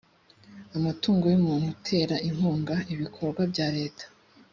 umutungo w umuntu utera inkunga ibikorwa bya leta